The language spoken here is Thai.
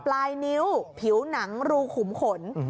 ปลายนิ้วผิวหนังรูขุมขน